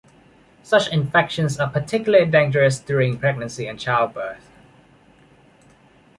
Such infections are particularly dangerous during pregnancy and childbirth.